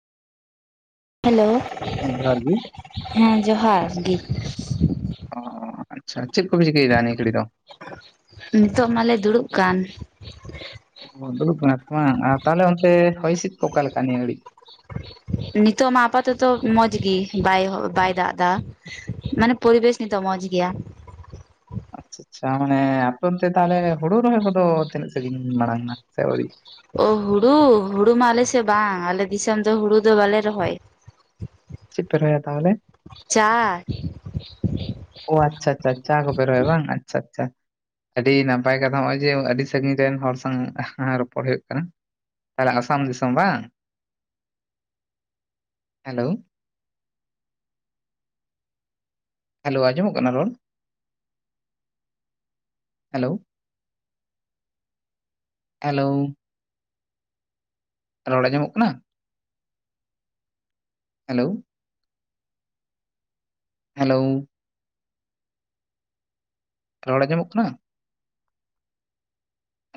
Hello. ᱦᱮᱸ ᱡᱚᱦᱟᱨ ᱜᱤ᱾ ᱦᱮᱸ ᱡᱚᱦᱟᱨ ᱜᱤ᱾ ᱚ ᱟᱪᱪᱷᱟ ᱪᱮᱫ ᱠᱚᱯᱮ ᱪᱤᱠᱟᱹᱭᱫᱟ ᱱᱤᱭᱟᱹᱠᱲᱤᱡ ᱫᱚ? ᱱᱤᱛᱳᱜ ᱢᱟᱞᱮ ᱫᱩᱲᱩᱵ ᱠᱟᱱ᱾ ᱫᱩᱲᱩᱵ ᱠᱟᱱᱟ ᱯᱮ ᱵᱟᱝ ᱛᱟᱦᱚᱞᱮ ᱚᱱᱛᱮ ᱦᱚᱭ-ᱦᱤᱸᱥᱤᱫ ᱠᱚ ᱚᱠᱟ ᱞᱮᱠᱟ ᱱᱤᱭᱟᱹ ᱜᱷᱟᱹᱲᱤᱡ? ᱱᱤᱛᱚᱜ ᱢᱟ ᱟᱯᱟᱛᱚᱛᱚ ᱢᱚᱸᱡᱽᱜᱤ, ᱵᱟᱭ ᱵᱟᱭ ᱫᱟᱜ ᱫᱟ᱾ ᱢᱟᱱᱮ ᱯᱚᱨᱤᱵᱮᱥ ᱱᱤᱛᱚᱜ ᱢᱚᱸᱡ ᱜᱮᱭᱟ᱾ ᱟᱪᱪᱷᱟ ᱟᱪᱪᱷᱟ, ᱢᱟᱱᱮ ᱟᱯᱮ ᱚᱱᱛᱮ ᱛᱟᱦᱚᱞᱮ ᱦᱩᱲᱩ ᱨᱚᱦᱚᱭ ᱠᱚᱫᱚ ᱛᱤᱱᱟᱹᱜ ᱥᱟᱺᱜᱤᱧ ᱢᱟᱲᱟᱝᱼᱟᱠᱟᱱᱟ ᱥᱮ ᱟᱹᱣᱨᱤ? ᱚ ᱦᱩᱲᱩ ᱦᱩᱲᱩ ᱢᱟ ᱟᱞᱮᱥᱮᱜ ᱵᱟᱝ ᱟᱞᱮ ᱫᱤᱥᱚᱢ ᱫᱚ ᱦᱩᱲᱩ ᱫᱚ ᱵᱟᱞᱮ ᱨᱚᱦᱚᱭ᱾ ᱪᱮᱫ ᱯᱮ ᱨᱚᱦᱚᱭᱟ ᱛᱟᱦᱚᱞᱮ? ᱪᱟ᱾ ᱚ ᱟᱪᱪᱷᱟ ᱟᱪᱪᱷᱟ ᱟᱪᱪᱷᱟ ᱪᱟ ᱠᱚᱯᱮ ᱨᱚᱭ ᱵᱟᱝ ᱟᱪᱪᱷᱟ ᱟᱪᱪᱷᱟ᱾ ᱟᱹᱰᱤ ᱱᱟᱯᱟᱭ ᱠᱟᱛᱷᱟ ᱱᱚᱜᱼᱚᱭ ᱡᱮ ᱟᱹᱰᱤ ᱥᱟᱹᱜᱤᱧ ᱨᱮᱱ ᱦᱚᱲ ᱥᱟᱶ ᱨᱚᱯᱚᱲ ᱦᱩᱭᱩᱜ ᱠᱟᱱᱟ᱾ ᱛᱟᱦᱞᱮ ᱟᱥᱟᱢ ᱫᱤᱥᱚᱢ ᱵᱟᱝ? ᱦᱮᱞᱳ᱾ ᱦᱮᱞᱳ ᱟᱸᱡᱚᱢᱚᱜ ᱠᱟᱱᱟ ᱨᱚᱲ? ᱦᱮᱞᱳ᱾ ᱦᱮᱞᱳ᱾ ᱨᱚᱲ ᱟᱸᱡᱚᱢᱚᱜ ᱠᱟᱱᱟ? ᱦᱮᱞᱳ ᱾ ᱦᱮᱞᱳ ᱾ ᱨᱚᱲ ᱟᱸᱡᱚᱢᱚᱜ ᱠᱟᱱᱟ?